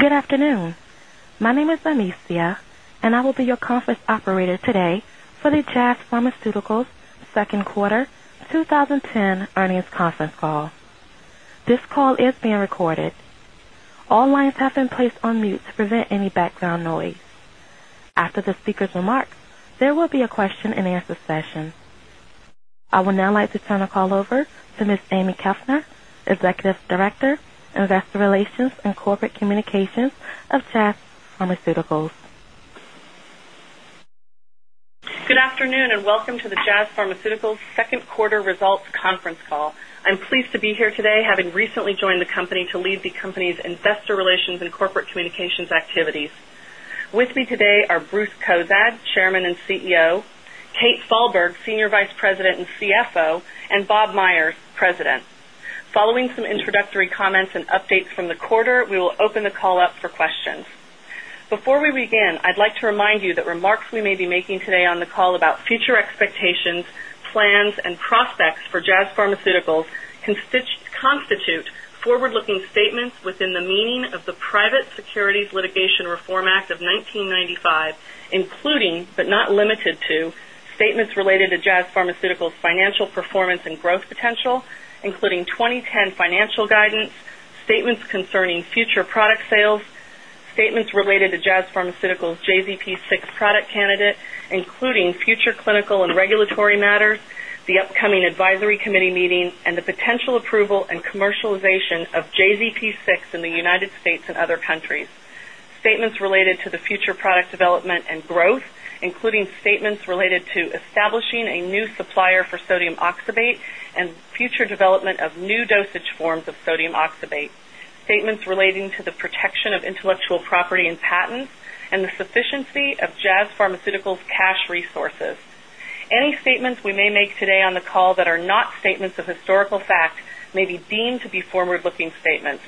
Good afternoon. My name is Amicia, and I will be your conference operator today for the Jazz Pharmaceuticals second quarter 2010 earnings conference call. This call is being recorded. All lines have been placed on mute to prevent any background noise. After the speaker's remarks, there will be a question-and-answer session. I would now like to turn the call over to Ms. Ami Knoefler, Executive Director, Investor Relations and Corporate Communications of Jazz Pharmaceuticals. Good afternoon, and welcome to the Jazz Pharmaceuticals second quarter results conference call. I'm pleased to be here today, having recently joined the company to lead the company's investor relations and corporate communications activities. With me today are Bruce Cozadd, Chairman and CEO, Kathryn Falberg, Senior Vice President and CFO, and Robert M. Myers, President. Following some introductory comments and updates from the quarter, we will open the call up for questions. Before we begin, I'd like to remind you that remarks we may be making today on the call about future expectations, plans, and prospects for Jazz Pharmaceuticals constitute forward-looking statements within the meaning of the Private Securities Litigation Reform Act of 1995, including, but not limited to, statements related to Jazz Pharmaceuticals' financial performance and growth potential, including 2010 financial guidance, statements concerning future product sales, statements related to Jazz Pharmaceuticals' JZP-6 product candidate, including future clinical and regulatory matters, the upcoming advisory committee meeting, and the potential approval and commercialization of JZP-6 in the United States and other countries. Statements related to the future product development and growth, including statements related to establishing a new supplier for sodium oxybate and future development of new dosage forms of sodium oxybate. Statements relating to the protection of intellectual property and patents and the sufficiency of Jazz Pharmaceuticals' cash resources. Any statements we may make today on the call that are not statements of historical fact may be deemed to be forward-looking statements.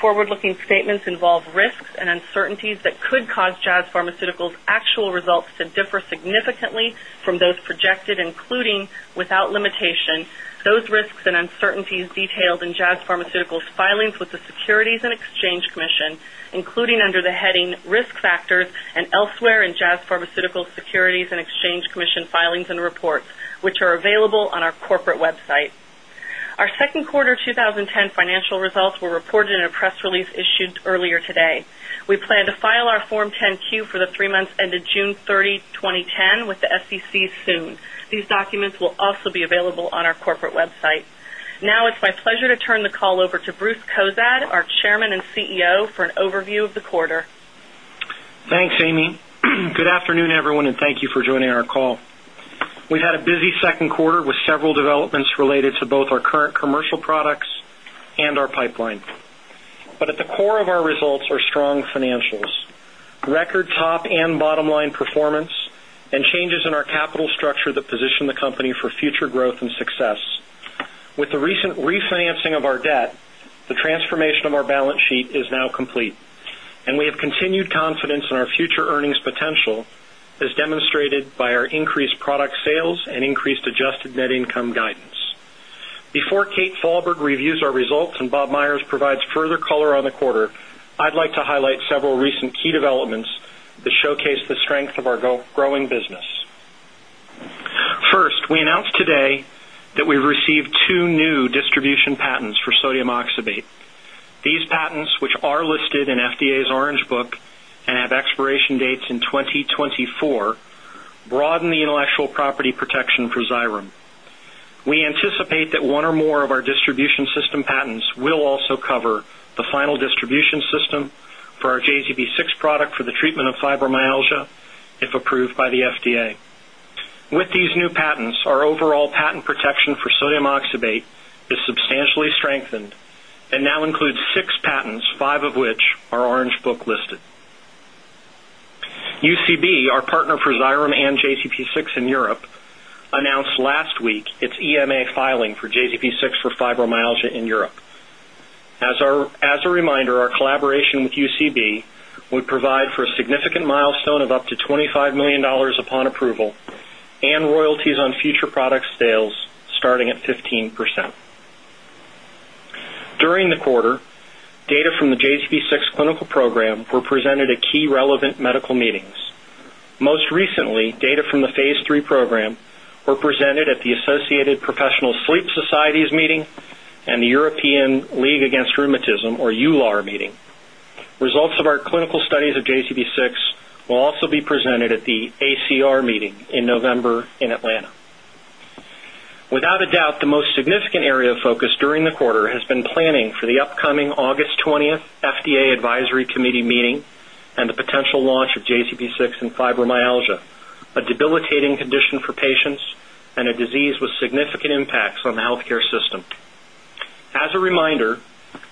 Forward-looking statements involve risks and uncertainties that could cause Jazz Pharmaceuticals actual results to differ significantly from those projected, including, without limitation, those risks and uncertainties detailed in Jazz Pharmaceuticals filings with the Securities and Exchange Commission, including under the heading Risk Factors and elsewhere in Jazz Pharmaceuticals Securities and Exchange Commission filings and reports, which are available on our corporate website. Our second quarter 2010 financial results were reported in a press release issued earlier today. We plan to file our Form 10-Q for the three months ended June 30, 2010 with the SEC soon. These documents will also be available on our corporate website. Now, it's my pleasure to turn the call over to Bruce Cozadd, our Chairman and CEO, for an overview of the quarter. Thanks, Ami. Good afternoon, everyone, and thank you for joining our call. We had a busy second quarter with several developments related to both our current commercial products and our pipeline. At the core of our results are strong financials, record top and bottom-line performance, and changes in our capital structure that position the company for future growth and success. With the recent refinancing of our debt, the transformation of our balance sheet is now complete, and we have continued confidence in our future earnings potential, as demonstrated by our increased product sales and increased adjusted net income guidance. Before Kathryn Falberg reviews our results and Bob Myers provides further color on the quarter, I'd like to highlight several recent key developments that showcase the strength of our growing business. First, we announced today that we've received two new distribution patents for sodium oxybate. These patents, which are listed in FDA's Orange Book and have expiration dates in 2024, broaden the intellectual property protection for Xyrem. We anticipate that one or more of our distribution system patents will also cover the final distribution system for our JZP-6 product for the treatment of fibromyalgia if approved by the FDA. With these new patents, our overall patent protection for sodium oxybate is substantially strengthened and now includes six patents, five of which are Orange Book listed. UCB, our partner for Xyrem and JZP-6 in Europe, announced last week its EMA filing for JZP-6 for fibromyalgia in Europe. As a reminder, our collaboration with UCB would provide for a significant milestone of up to $25 million upon approval and royalties on future product sales starting at 15%. During the quarter, data from the JZP-6 clinical program were presented at key relevant medical meetings. Most recently, data from the phase III program were presented at the Associated Professional Sleep Societies meeting and the European League Against Rheumatism or EULAR meeting. Results of our clinical studies of JZP-6 will also be presented at the ACR meeting in November in Atlanta. Without a doubt, the most significant area of focus during the quarter has been planning for the upcoming August 20th FDA Advisory Committee meeting and the potential launch of JZP-6 in fibromyalgia, a debilitating condition for patients and a disease with significant impacts on the healthcare system. As a reminder,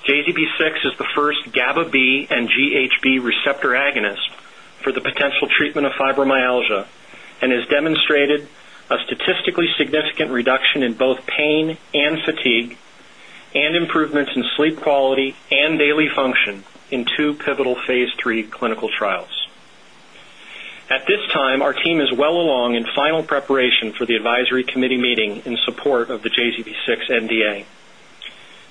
JZP-6 is the first GABA B and GHB receptor agonist for the potential treatment of fibromyalgia and has demonstrated a statistically significant reduction in both pain and fatigue and improvements in sleep quality and daily function in two pivotal phase III clinical trials. At this time, our team is well along in final preparation for the advisory committee meeting in support of the JZP-6 NDA.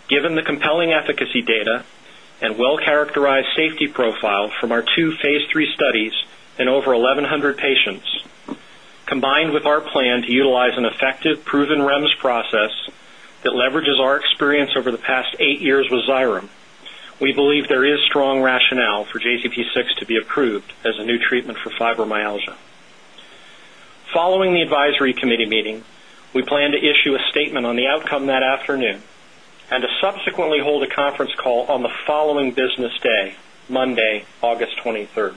Given the compelling efficacy data and well-characterized safety profile from our two phase III studies in over 1,100 patients, combined with our plan to utilize an effective proven REMS process that leverages our experience over the past eight years with Xyrem, we believe there is strong rationale for JZP-6 to be approved as a new treatment for fibromyalgia. Following the advisory committee meeting, we plan to issue a statement on the outcome that afternoon and to subsequently hold a conference call on the following business day, Monday, August 23.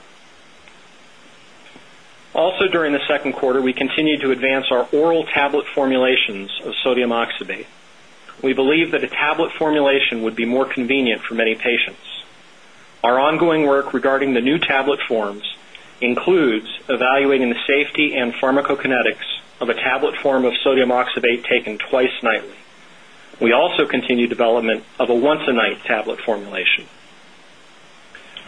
Also during the second quarter, we continued to advance our oral tablet formulations of sodium oxybate. We believe that a tablet formulation would be more convenient for many patients. Our ongoing work regarding the new tablet forms includes evaluating the safety and pharmacokinetics of a tablet form of sodium oxybate taken twice nightly. We also continue development of a once-a-night tablet formulation.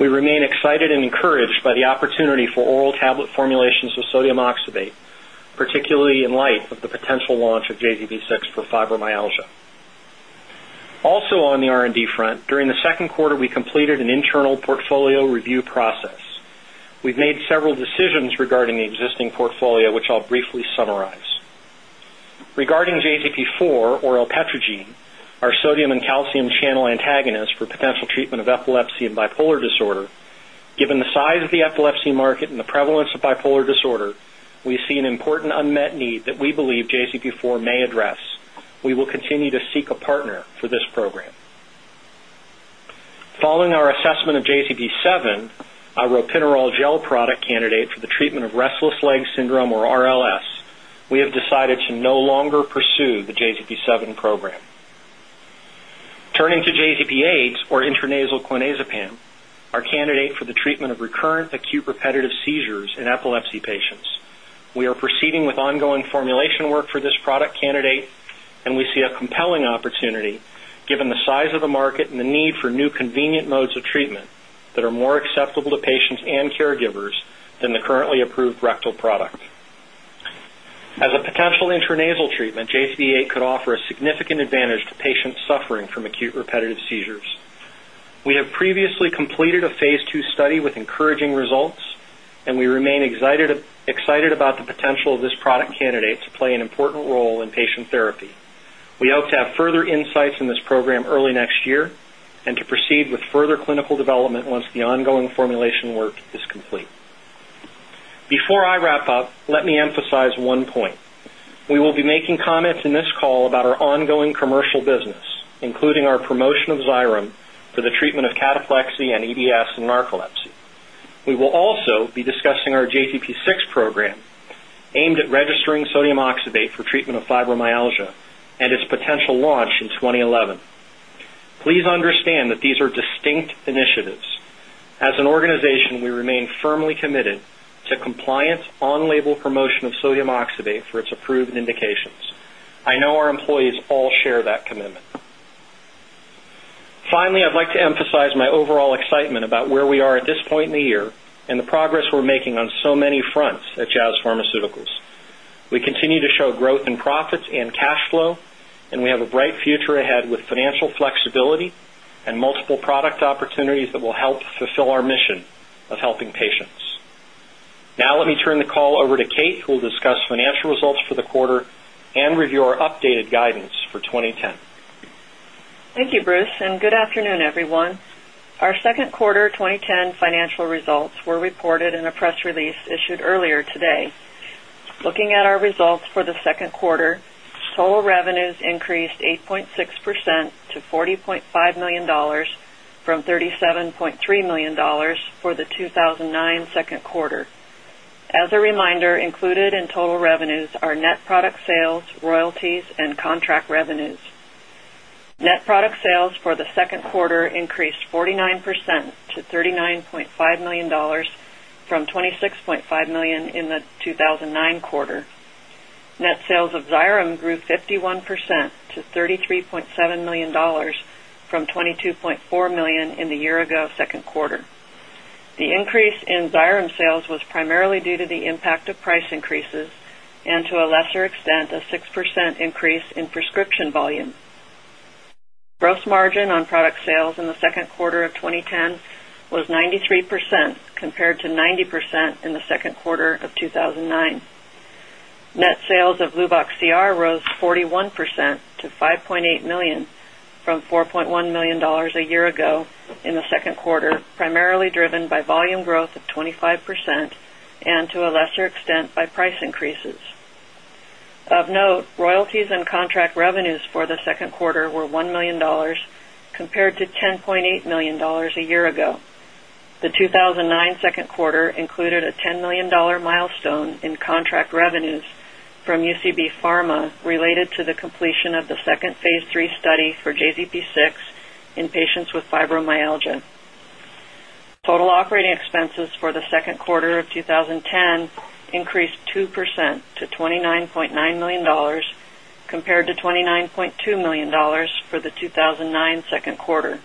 We remain excited and encouraged by the opportunity for oral tablet formulations of sodium oxybate, particularly in light of the potential launch of JZP-6 for fibromyalgia. Also on the R&D front, during the second quarter, we completed an internal portfolio review process. We've made several decisions regarding the existing portfolio, which I'll briefly summarize. Regarding JZP-4, oral pyrogen, our sodium and calcium channel antagonist for potential treatment of epilepsy and bipolar disorder. Given the size of the epilepsy market and the prevalence of bipolar disorder, we see an important unmet need that we believe JZP-4 may address. We will continue to seek a partner for this program. Following our assessment of JZP-7, our ropinirole gel product candidate for the treatment of restless legs syndrome or RLS, we have decided to no longer pursue the JZP-7 program. Turning to JZP-8 or intranasal clonazepam, our candidate for the treatment of recurrent acute repetitive seizures in epilepsy patients. We are proceeding with ongoing formulation work for this product candidate, and we see a compelling opportunity given the size of the market and the need for new convenient modes of treatment that are more acceptable to patients and caregivers than the currently approved rectal product. As a potential intranasal treatment, JZP-8 could offer a significant advantage to patients suffering from acute repetitive seizures. We have previously completed a phase II study with encouraging results, and we remain excited about the potential of this product candidate to play an important role in patient therapy. We hope to have further insights in this program early next year and to proceed with further clinical development once the ongoing formulation work is complete. Before I wrap up, let me emphasize one point. We will be making comments in this call about our ongoing commercial business, including our promotion of Xyrem for the treatment of cataplexy and EDS and narcolepsy. We will also be discussing our JZP-6 program aimed at registering sodium oxybate for treatment of fibromyalgia and its potential launch in 2011. Please understand that these are distinct initiatives. As an organization, we remain firmly committed to compliance on label promotion of sodium oxybate for its approved indications. I know our employees all share that commitment. Finally, I'd like to emphasize my overall excitement about where we are at this point in the year and the progress we're making on so many fronts at Jazz Pharmaceuticals. We continue to show growth in profits and cash flow, and we have a bright future ahead with financial flexibility and multiple product opportunities that will help fulfill our mission of helping patients. Now let me turn the call over to Kate, who will discuss financial results for the quarter and review our updated guidance for 2010. Thank you, Bruce, and good afternoon, everyone. Our second quarter 2010 financial results were reported in a press release issued earlier today. Looking at our results for the second quarter, total revenues increased 8.6% to $40.5 million from $37.3 million for the 2009 second quarter. As a reminder, included in total revenues are net product sales, royalties and contract revenues. Net product sales for the second quarter increased 49% to $39.5 million from $26.5 million in the 2009 quarter. Net sales of Xyrem grew 51% to $33.7 million from $22.4 million in the year-ago second quarter. The increase in Xyrem sales was primarily due to the impact of price increases and to a lesser extent, a 6% increase in prescription volume. Gross margin on product sales in the second quarter of 2010 was 93%, compared to 90% in the second quarter of 2009. Net sales of Luvox CR rose 41% to $5.8 million from $4.1 million a year ago in the second quarter, primarily driven by volume growth of 25% and to a lesser extent by price increases. Of note, royalties and contract revenues for the second quarter were $1 million compared to $10.8 million a year ago. The 2009 second quarter included a $10 million milestone in contract revenues from UCB Pharma related to the completion of the second phase III study for JZP-6 in patients with fibromyalgia. Total operating expenses for the second quarter of 2010 increased 2% to $29.9 million, compared to $29.2 million for the 2009 second quarter.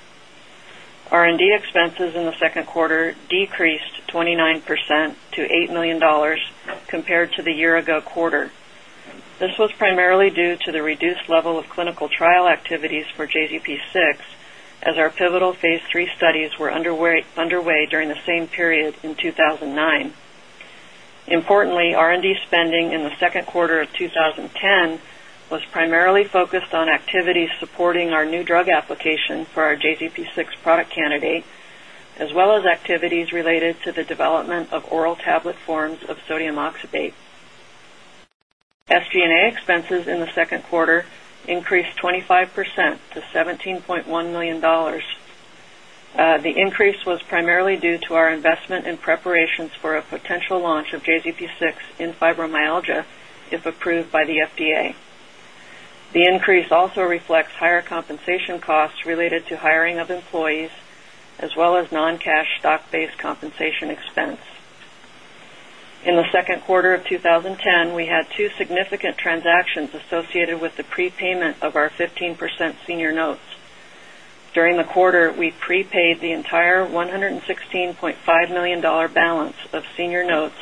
R&D expenses in the second quarter decreased 29% to $8 million compared to the year ago quarter. This was primarily due to the reduced level of clinical trial activities for JZP-6 as our pivotal phase III studies were underway during the same period in 2009. Importantly, R&D spending in the second quarter of 2010 was primarily focused on activities supporting our new drug application for our JZP-6 product candidate, as well as activities related to the development of oral tablet forms of sodium oxybate. SG&A expenses in the second quarter increased 25% to $17.1 million. The increase was primarily due to our investment in preparations for a potential launch of JZP-6 in fibromyalgia if approved by the FDA. The increase also reflects higher compensation costs related to hiring of employees as well as non-cash stock-based compensation expense. In the second quarter of 2010, we had two significant transactions associated with the prepayment of our 15% senior notes. During the quarter, we prepaid the entire $116.5 million balance of senior notes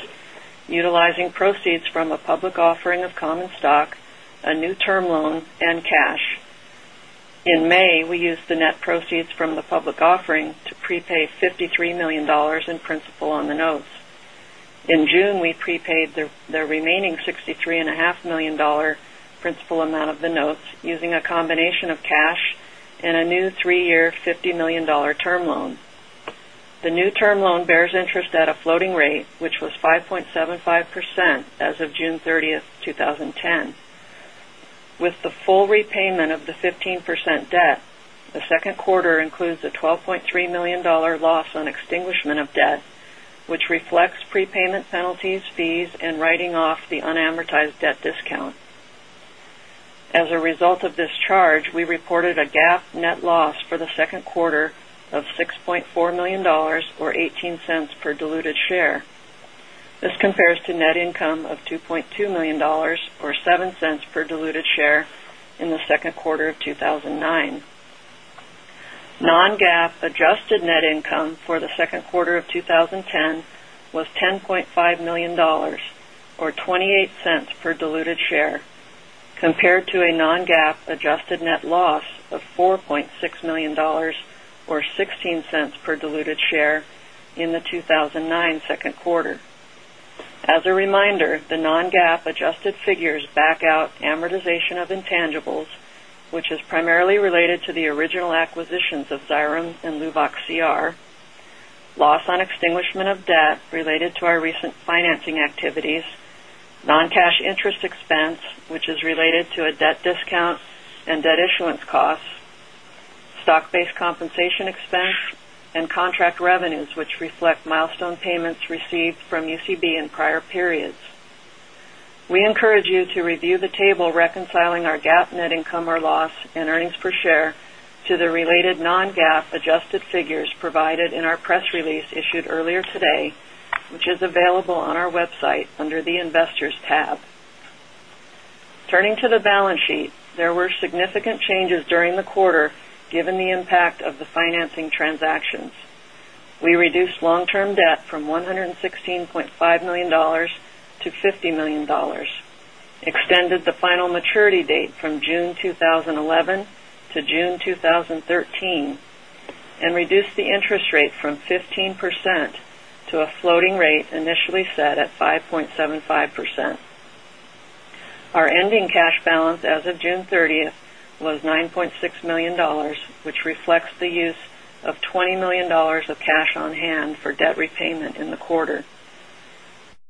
utilizing proceeds from a public offering of common stock, a new term loan and cash. In May, we used the net proceeds from the public offering to prepay $53 million in principal on the notes. In June, we prepaid the remaining $63.5 million principal amount of the notes using a combination of cash and a new three-year $50 million term loan. The new term loan bears interest at a floating rate, which was 5.75% as of June 30, 2010. With the full repayment of the 15% debt, the second quarter includes a $12.3 million loss on extinguishment of debt, which reflects prepayment penalties, fees, and writing off the unamortized debt discount. As a result of this charge, we reported a GAAP net loss for the second quarter of $6.4 million or $0.18 per diluted share. This compares to net income of $2.2 million or $0.07 per diluted share in the second quarter of 2009. Non-GAAP adjusted net income for the second quarter of 2010 was $10.5 million or $0.28 per diluted share, compared to a non-GAAP adjusted net loss of $4.6 million or $0.16 per diluted share in the 2009 second quarter. As a reminder, the non-GAAP adjusted figures back out amortization of intangibles, which is primarily related to the original acquisitions of Xyrem and Luvox CR, loss on extinguishment of debt related to our recent financing activities, non-cash interest expense, which is related to a debt discount and debt issuance costs, stock-based compensation expense and contract revenues which reflect milestone payments received from UCB in prior periods. We encourage you to review the table reconciling our GAAP net income or loss and earnings per share to the related non-GAAP adjusted figures provided in our press release issued earlier today, which is available on our website under the Investors tab. Turning to the balance sheet, there were significant changes during the quarter given the impact of the financing transactions. We reduced long-term debt from $116.5 million to $50 million, extended the final maturity date from June 2011 to June 2013, and reduced the interest rate from 15% to a floating rate initially set at 5.75%. Our ending cash balance as of June 30 was $9.6 million, which reflects the use of $20 million of cash on hand for debt repayment in the quarter.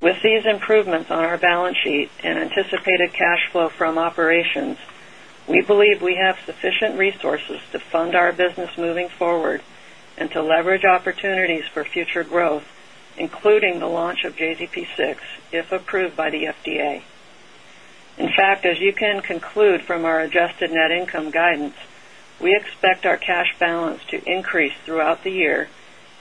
With these improvements on our balance sheet and anticipated cash flow from operations, we believe we have sufficient resources to fund our business moving forward and to leverage opportunities for future growth, including the launch of JZP-6, if approved by the FDA. In fact, as you can conclude from our adjusted net income guidance, we expect our cash balance to increase throughout the year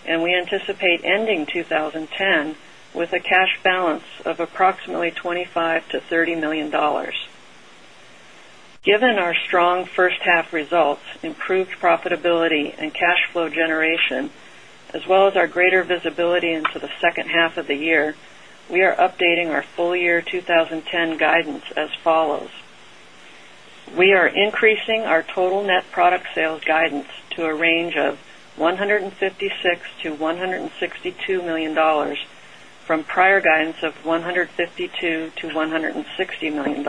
and we anticipate ending 2010 with a cash balance of approximately $25 million-$30 million. Given our strong first half results, improved profitability and cash flow generation, as well as our greater visibility into the second half of the year, we are updating our full year 2010 guidance as follows. We are increasing our total net product sales guidance to a range of $156 million-$162 million from prior guidance of $152 million-$160 million.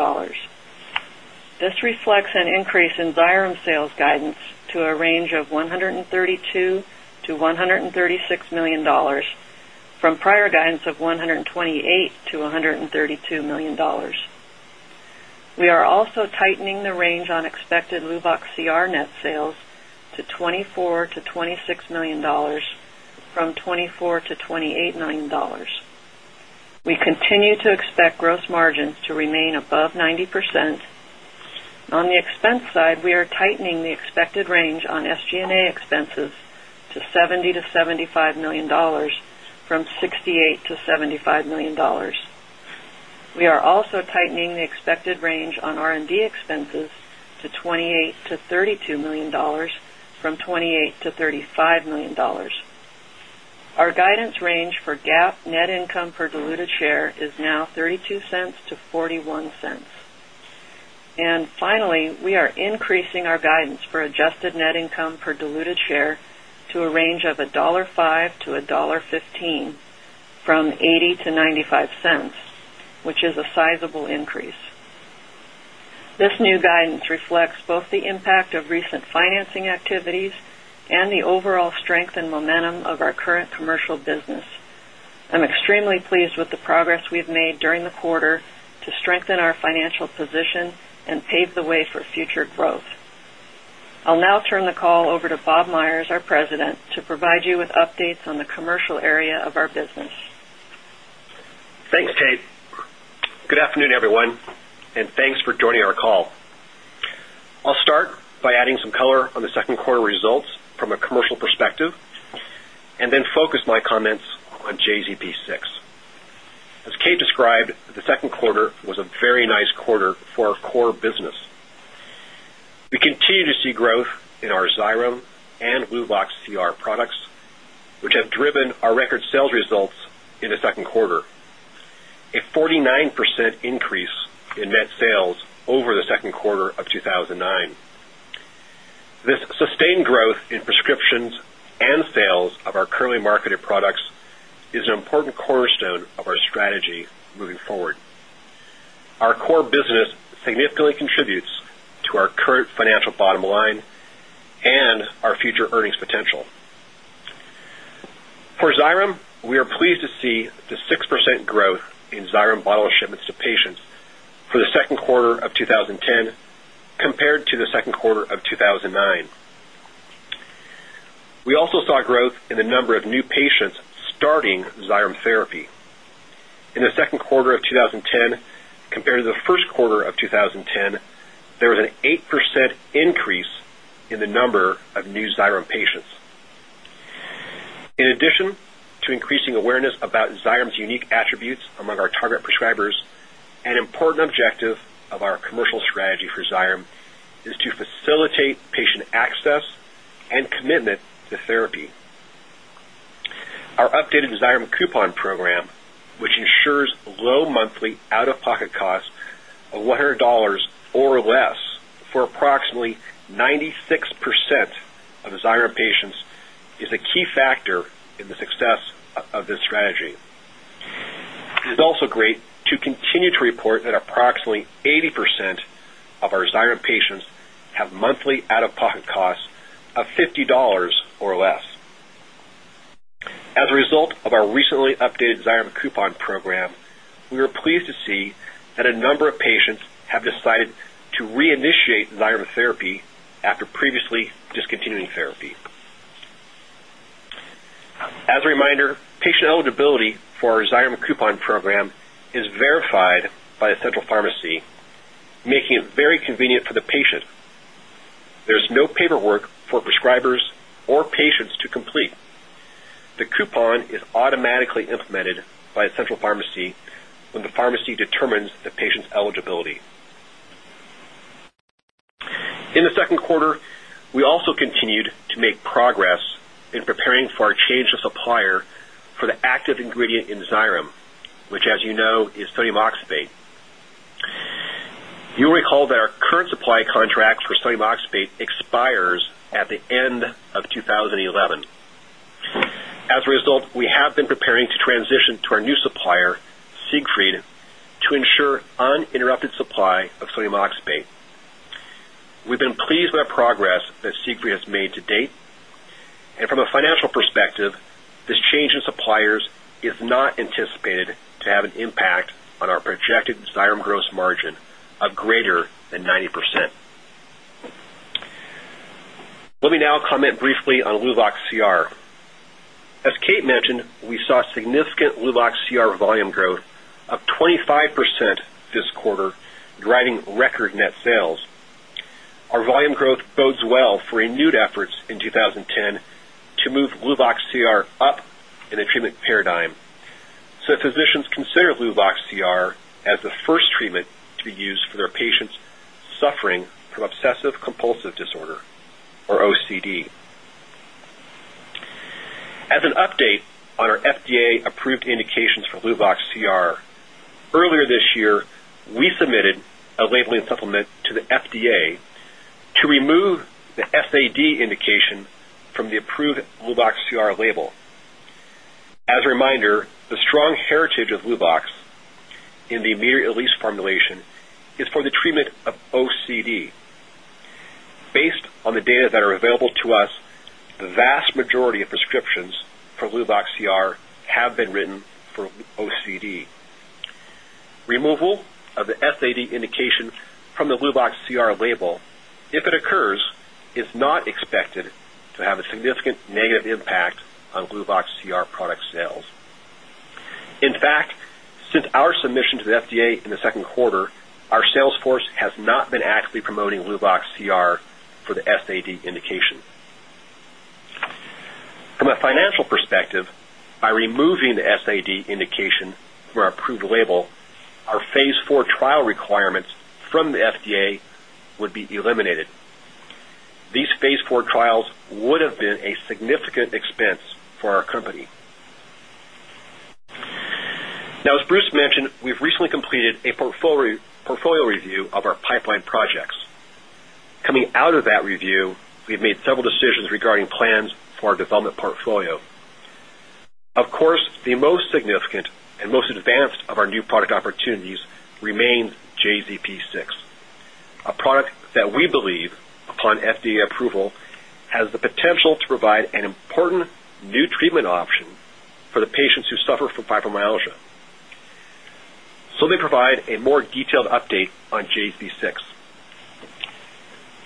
This reflects an increase in Xyrem sales guidance to a range of $132 million-$136 million from prior guidance of $128 million-$132 million. We are also tightening the range on expected Luvox CR net sales to $24 million-$26 million from $24 million-$28 million. We continue to expect gross margins to remain above 90%. On the expense side, we are tightening the expected range on SG&A expenses to $70 million-$75 million from $68 million-$75 million. We are also tightening the expected range on R&D expenses to $28 million-$32 million from $28- million$35 million. Our guidance range for GAAP net income per diluted share is now $0.32-$0.41. Finally, we are increasing our guidance for adjusted net income per diluted share to a range of $1.05-$1.15 from $0.80-$0.95, which is a sizable increase. This new guidance reflects both the impact of recent financing activities and the overall strength and momentum of our current commercial business. I'm extremely pleased with the progress we've made during the quarter to strengthen our financial position and pave the way for future growth. I'll now turn the call over to Bob Myers, our President, to provide you with updates on the commercial area of our business. Thanks, Kate. Good afternoon, everyone, and thanks for joining our call. I'll start by adding some color on the second quarter results from a commercial perspective, and then focus my comments on JZP-6. As Kate described, the second quarter was a very nice quarter for our core business. We continue to see growth in our Xyrem and Luvox CR products, which have driven our record sales results in the second quarter, a 49% increase in net sales over the second quarter of 2009. This sustained growth in prescriptions and sales of our currently marketed products is an important cornerstone of our strategy moving forward. Our core business significantly contributes to our current financial bottom line and our future earnings potential. For Xyrem, we are pleased to see the 6% growth in Xyrem bottle shipments to patients for the second quarter of 2010 compared to the second quarter of 2009. We also saw growth in the number of new patients starting Xyrem therapy. In the second quarter of 2010 compared to the first quarter of 2010, there was an 8% increase in the number of new Xyrem patients. In addition to increasing awareness about Xyrem's unique attributes among our target prescribers, an important objective of our commercial strategy for Xyrem is to facilitate patient access and commitment to therapy. Our updated Xyrem coupon program, which ensures low monthly out-of-pocket costs of $100 or less for approximately 96% of Xyrem patients, is a key factor in the success of this strategy. It is also great to continue to report that approximately 80% of our Xyrem patients have monthly out-of-pocket costs of $50 or less. As a result of our recently updated Xyrem coupon program, we are pleased to see that a number of patients have decided to reinitiate Xyrem therapy after previously discontinuing therapy. As a reminder, patient eligibility for our Xyrem coupon program is verified by a central pharmacy, making it very convenient for the patient. There's no paperwork for prescribers or patients to complete. The coupon is automatically implemented by a central pharmacy when the pharmacy determines the patient's eligibility. In the second quarter, we also continued to make progress in preparing for our change of supplier for the active ingredient in Xyrem, which, as you know, is sodium oxybate. You'll recall that our current supply contract for sodium oxybate expires at the end of 2011. As a result, we have been preparing to transition to our new supplier, Siegfried, to ensure uninterrupted supply of sodium oxybate. We've been pleased with the progress that Siegfried has made to date. From a financial perspective, this change in suppliers is not anticipated to have an impact on our projected Xyrem gross margin of greater than 90%. Let me now comment briefly on Luvox CR. As Kate mentioned, we saw significant Luvox CR volume growth of 25% this quarter, driving record net sales. Our volume growth bodes well for renewed efforts in 2010 to move Luvox CR up in a treatment paradigm, so that physicians consider Luvox CR as the first treatment to be used for their patients suffering from obsessive compulsive disorder, or OCD. As an update on our FDA-approved indications for Luvox CR, earlier this year, we submitted a labeling supplement to the FDA to remove the SAD indication from the approved Luvox CR label. As a reminder, the strong heritage of Luvox in the immediate-release formulation is for the treatment of OCD. Based on the data that are available to us, the vast majority of prescriptions for Luvox CR have been written for OCD. Removal of the SAD indication from the Luvox CR label, if it occurs, is not expected to have a significant negative impact on Luvox CR product sales. In fact, since our submission to the FDA in the second quarter, our sales force has not been actively promoting Luvox CR for the SAD indication. From a financial perspective, by removing the SAD indication from our approved label, our phase IV trial requirements from the FDA would be eliminated. These phase IV trials would have been a significant expense for our company. Now, as Bruce mentioned, we've recently completed a portfolio review of our pipeline projects. Coming out of that review, we've made several decisions regarding plans for our development portfolio. Of course, the most significant and most advanced of our new product opportunities remains JZP-6, a product that we believe, upon FDA approval, has the potential to provide an important new treatment option for the patients who suffer from fibromyalgia. Let me provide a more detailed update on JZP-6.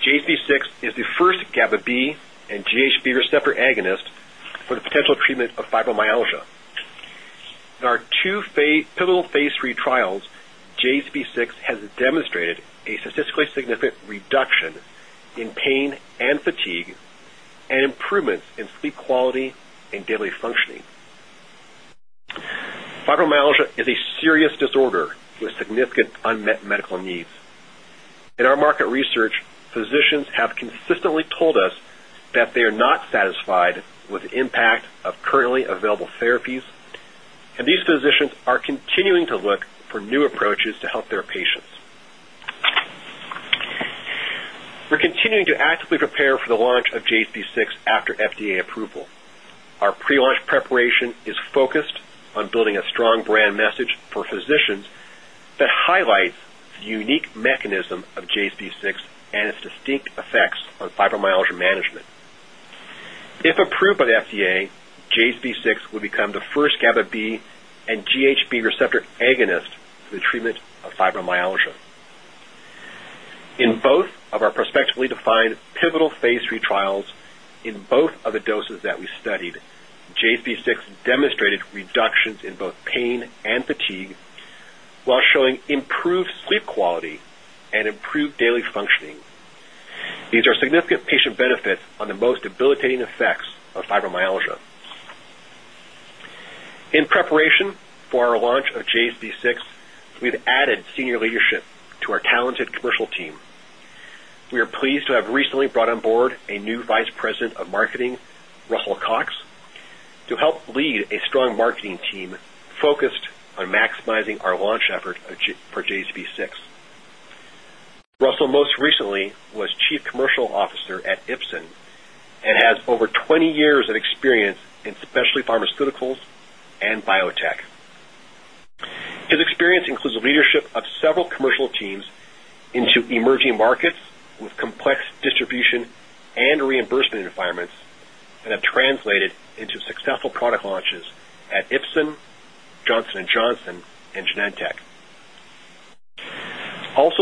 JZP-6 is the first GABA B and GHB receptor agonist for the potential treatment of fibromyalgia. In our two pivotal phase III trials, JZP-6 has demonstrated a statistically significant reduction in pain and fatigue and improvements in sleep quality and daily functioning. Fibromyalgia is a serious disorder with significant unmet medical needs. In our market research, physicians have consistently told us that they are not satisfied with the impact of currently available therapies, and these physicians are continuing to look for new approaches to help their patients. We're continuing to actively prepare for the launch of JZP-6 after FDA approval. Our pre-launch preparation is focused on building a strong brand message for physicians that highlights the unique mechanism of JZP-6 and its distinct effects on fibromyalgia management. If approved by the FDA, JZP-6 will become the first GABA B and GHB receptor agonist for the treatment of fibromyalgia. In both of our prospectively defined pivotal phase III trials, in both of the doses that we studied, JZP-6 demonstrated reductions in both pain and fatigue while showing improved sleep quality and improved daily functioning. These are significant patient benefits on the most debilitating effects of fibromyalgia. In preparation for our launch of JZP-6, we've added senior leadership to our talented commercial team. We are pleased to have recently brought on board a new Vice President of Marketing, Russell Cox, to help lead a strong marketing team focused on maximizing our launch effort of JZP-6. Russell most recently was Chief Commercial Officer at Ipsen and has over 20 years of experience in specialty pharmaceuticals and biotech. His experience includes leadership of several commercial teams into emerging markets with complex distribution and reimbursement environments that have translated into successful product launches at Ipsen, Johnson & Johnson, and Genentech.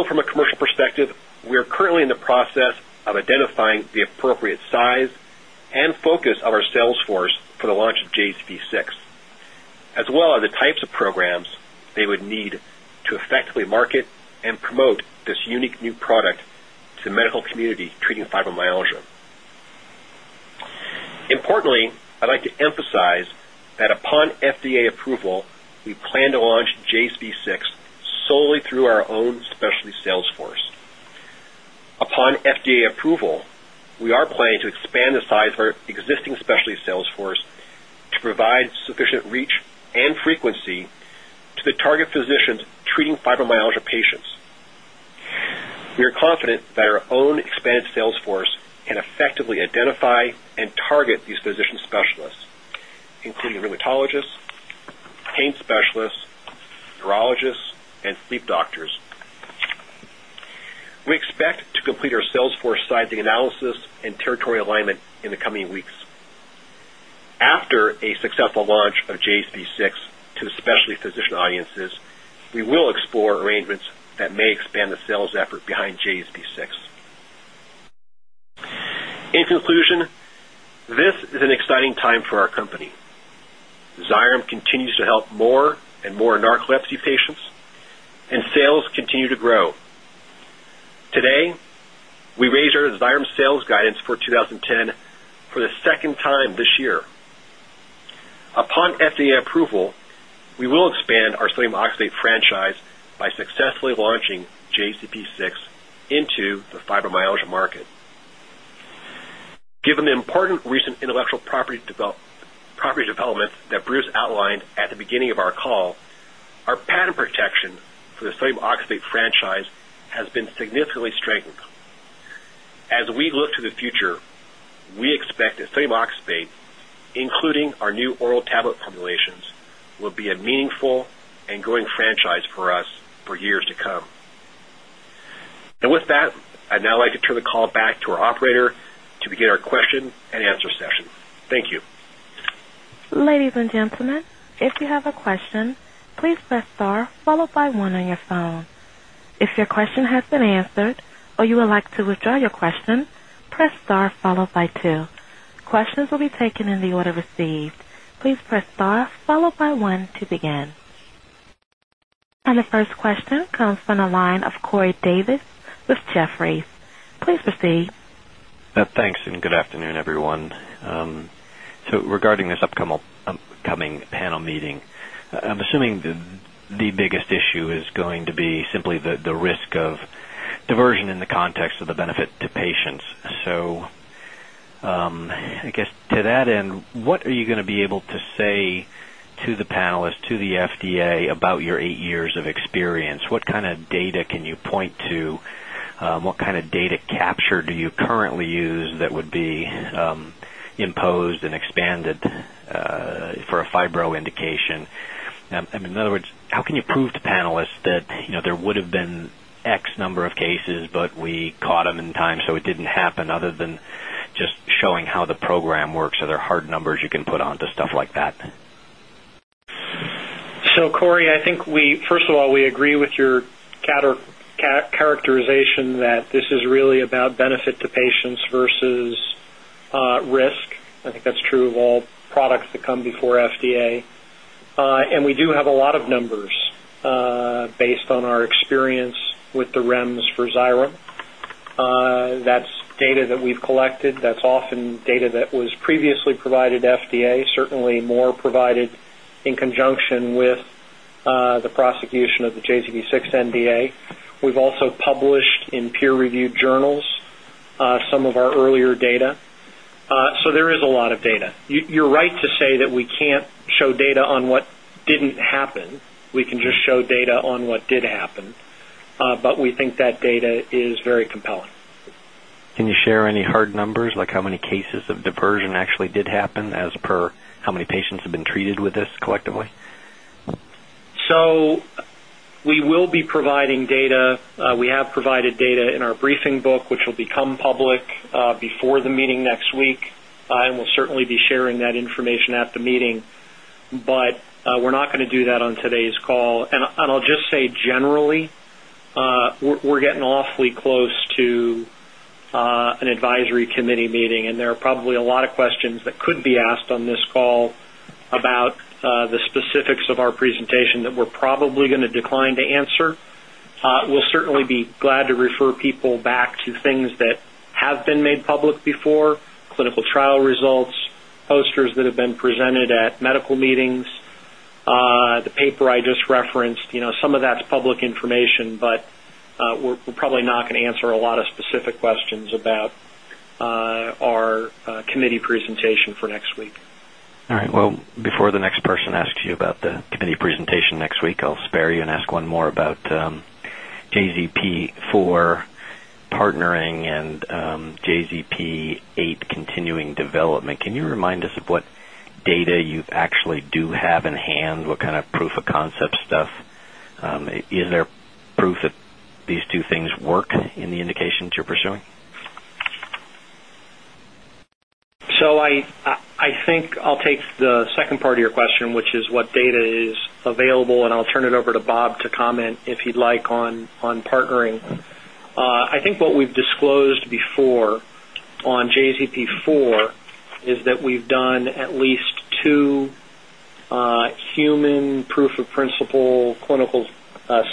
From a commercial perspective, we are currently in the process of identifying the appropriate size and focus of our sales force for the launch of JZP-6, as well as the types of programs they would need to effectively market and promote this unique new product to the medical community treating fibromyalgia. Importantly, I'd like to emphasize that upon FDA approval, we plan to launch JZP-6 solely through our own specialty sales force. Upon FDA approval, we are planning to expand the size of our existing specialty sales force to provide sufficient reach and frequency to the target physicians treating fibromyalgia patients. We are confident that our own expanded sales force can effectively identify and target these physician specialists, including rheumatologists, pain specialists, neurologists, and sleep doctors. We expect to complete our sales force sizing analysis and territory alignment in the coming weeks. After a successful launch of JZP-6 to the specialty physician audiences, we will explore arrangements that may expand the sales effort behind JZP-6. In conclusion, this is an exciting time for our company. Xyrem continues to help more and more narcolepsy patients, and sales continue to grow. Today, we raised our Xyrem sales guidance for 2010 for the second time this year. Upon FDA approval, we will expand our sodium oxybate franchise by successfully launching JZP-6 into the fibromyalgia market. Given the important recent intellectual property development that Bruce outlined at the beginning of our call, our patent protection for the sodium oxybate franchise has been significantly strengthened. As we look to the future, we expect that sodium oxybate, including our new oral tablet formulations, will be a meaningful and growing franchise for us for years to come. With that, I'd now like to turn the call back to our operator to begin our question-and-answer session. Thank you. Ladies and gentlemen, if you have a question, please press star followed by one on your phone. If your question has been answered or you would like to withdraw your question, press star followed by two. Questions will be taken in the order received. Please press star followed by one to begin. The first question comes from the line of Corey Davis with Jefferies. Please proceed. Thanks and good afternoon, everyone. Regarding this upcoming panel meeting, I'm assuming the biggest issue is going to be simply the risk of diversion in the context of the benefit to patients. I guess to that end, what are you gonna be able to say to the panelists, to the FDA about your eight years of experience? What kind of data can you point to? What kind of data capture do you currently use that would be imposed and expanded for a fibro indication? I mean, in other words, how can you prove to panelists that, you know, there would have been X number of cases, but we caught them in time, so it didn't happen other than just showing how the program works? Are there hard numbers you can put on to stuff like that? Corey, first of all, we agree with your characterization that this is really about benefit to patients versus risk. I think that's true of all products that come before FDA. We do have a lot of numbers based on our experience with the REMS for Xyrem. That's data that we've collected. That's often data that was previously provided to FDA, certainly more provided in conjunction with the prosecution of the JZP-6 NDA. We've also published in peer review journals some of our earlier data. There is a lot of data. You're right to say that we can't show data on what didn't happen. We can just show data on what did happen. We think that data is very compelling. Can you share any hard numbers, like how many cases of diversion actually did happen versus how many patients have been treated with this collectively? We will be providing data. We have provided data in our briefing book, which will become public before the meeting next week. We'll certainly be sharing that information at the meeting. We're not gonna do that on today's call. I'll just say, generally, we're getting awfully close to an advisory committee meeting, and there are probably a lot of questions that could be asked on this call about the specifics of our presentation that we're probably gonna decline to answer. We'll certainly be glad to refer people back to things that have been made public before. Clinical trial results, posters that have been presented at medical meetings. The paper I just referenced. You know, some of that's public information, but we're probably not gonna answer a lot of specific questions about our committee presentation for next week. All right. Well, before the next person asks you about the committee presentation next week, I'll spare you and ask one more about, JZP-4 partnering and, JZP-8 continuing development. Can you remind us of what data you actually do have in hand? What kind of proof of concept stuff? Is there proof that these two things work in the indications you're pursuing? I think I'll take the second part of your question, which is what data is available, and I'll turn it over to Bob to comment, if he'd like, on partnering. I think what we've disclosed before on JZP-4 is that we've done at least two human proof of principle clinical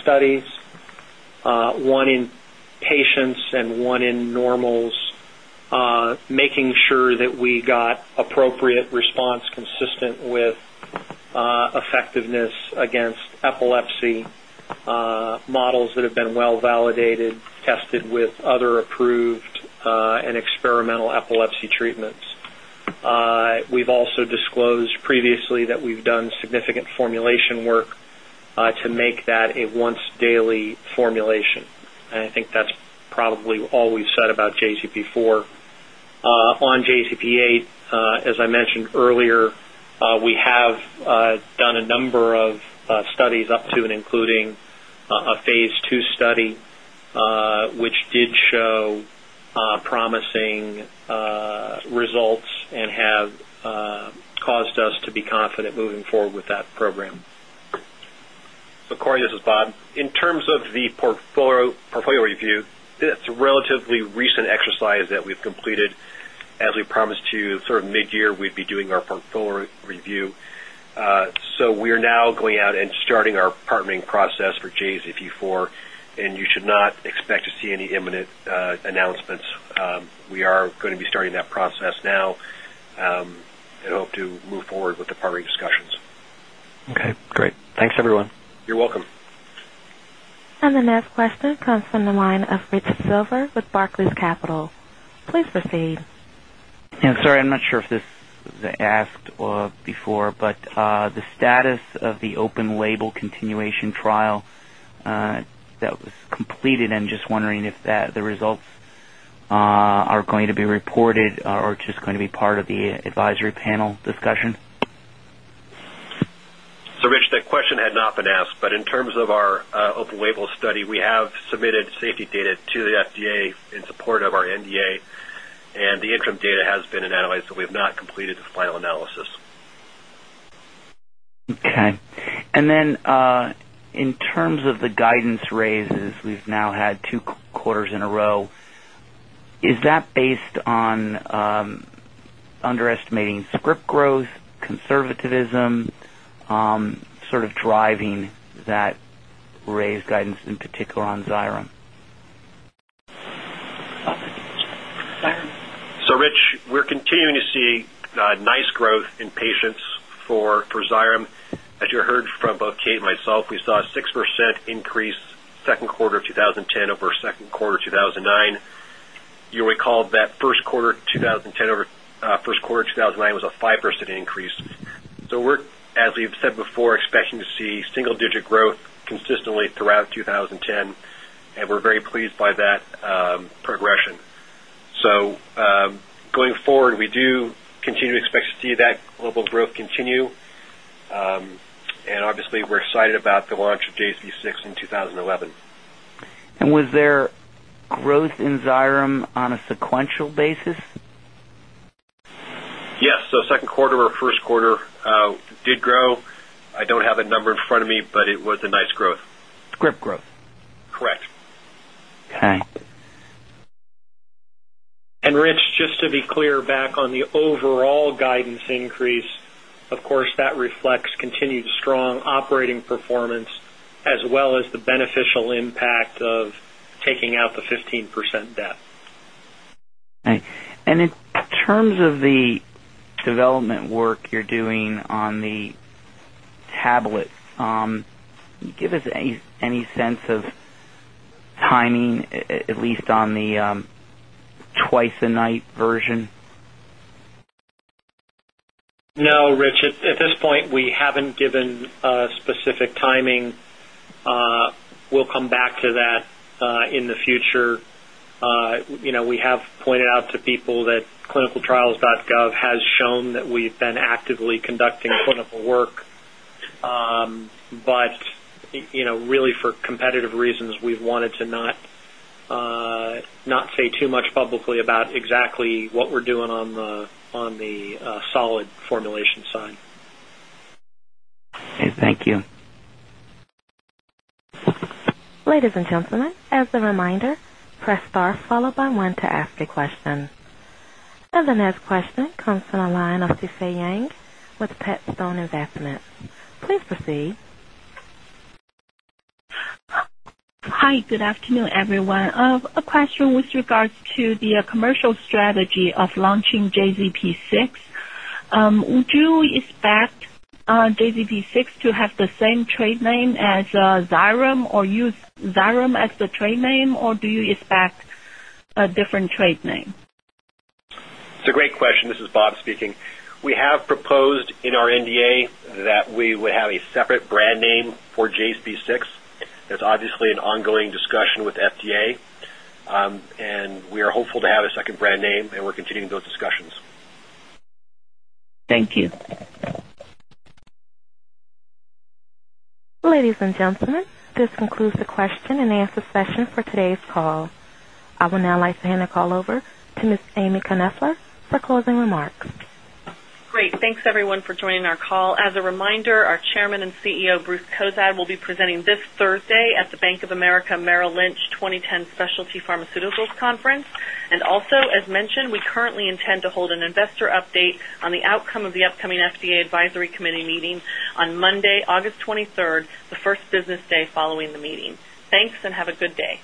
studies. One in patients and one in normals, making sure that we got appropriate response consistent with effectiveness against epilepsy models that have been well-validated, tested with other approved and experimental epilepsy treatments. We've also disclosed previously that we've done significant formulation work to make that a once-daily formulation. I think that's probably all we've said about JZP-4. On JZP-8, as I mentioned earlier, we have done a number of studies up to and including a phase II study, which did show promising results and have caused us to be confident moving forward with that program. Corey, this is Bob. In terms of the portfolio review, it's a relatively recent exercise that we've completed. As we promised to you sort of mid-year, we'd be doing our portfolio review. We're now going out and starting our partnering process for JZP-4, and you should not expect to see any imminent announcements. We are gonna be starting that process now, and hope to move forward with the partnering discussions. Okay, great. Thanks, everyone. You're welcome. The next question comes from the line of Rich Silver with Barclays Capital. Please proceed. Yeah. Sorry, I'm not sure if this was asked before, but the status of the open-label continuation trial that was completed. I'm just wondering if the results are going to be reported or just going to be part of the advisory panel discussion. Rich, that question had not been asked, but in terms of our open label study, we have submitted safety data to the FDA in support of our NDA, and the interim data has been analyzed, but we have not completed the final analysis. Okay. In terms of the guidance raises, we've now had two quarters in a row. Is that based on underestimating script growth, conservatism, sort of driving that raised guidance, in particular on Xyrem? Bob, do you want Xyrem? Rich, we're continuing to see nice growth in patients for Xyrem. As you heard from both Kate and myself, we saw a 6% increase second quarter of 2010 over second quarter of 2009. You'll recall that first quarter 2010 over first quarter 2009 was a 5% increase. We're, as we've said before, expecting to see single digit growth consistently throughout 2010, and we're very pleased by that progression. Going forward, we do continue to expect to see that global growth continue. And obviously, we're excited about the launch of JZP-6 in 2011. Was there growth in Xyrem on a sequential basis? Yes. Second quarter-over-first quarter did grow. I don't have a number in front of me, but it was a nice growth. Script growth. Correct. Okay. Rich, just to be clear, back on the overall guidance increase, of course, that reflects continued strong operating performance as well as the beneficial impact of taking out the 15% debt. Okay. In terms of the development work you're doing on the tablet, give us any sense of timing, at least on the twice a night version? No, Rich. At this point, we haven't given a specific timing. We'll come back to that in the future. You know, we have pointed out to people that ClinicalTrials.gov has shown that we've been actively conducting clinical work. You know, really for competitive reasons, we've wanted to not say too much publicly about exactly what we're doing on the solid formulation side. Okay, thank you. Ladies and gentlemen, as a reminder, press Star followed by One to ask a question. The next question comes from the line of Xufeng Yang with Petstone Investment. Please proceed. Hi, good afternoon, everyone. A question with regards to the commercial strategy of launching JZP-6. Would you expect JZP-6 to have the same trade name as Xyrem or use Xyrem as the trade name, or do you expect a different trade name? It's a great question. This is Bob speaking. We have proposed in our NDA that we would have a separate brand name for JZP-6. There's obviously an ongoing discussion with FDA, and we are hopeful to have a second brand name and we're continuing those discussions. Thank you. Ladies and gentlemen, this concludes the question and answer session for today's call. I would now like to hand the call over to Miss Ami Knoefler for closing remarks. Great. Thanks everyone for joining our call. As a reminder, our Chairman and CEO, Bruce Cozadd, will be presenting this Thursday at the Bank of America Merrill Lynch 2010 Specialty Pharmaceuticals Conference. As mentioned, we currently intend to hold an investor update on the outcome of the upcoming FDA advisory committee meeting on Monday, August 23rd, the first business day following the meeting. Thanks, and have a good day.